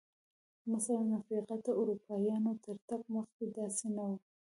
مثلاً افریقا ته د اروپایانو تر تګ مخکې داسې نه و.